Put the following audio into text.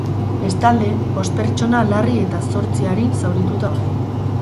Bestalde, bost pertsona larri eta zortzi arin zaurituta daude.